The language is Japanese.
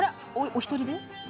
お一人で？